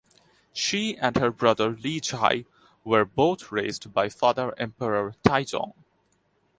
She and her brother Li Zhi were both raised by father Emperor Taizong.